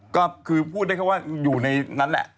ก็คือพูดได้แค่ว่าอยู่ในนั้นแหละ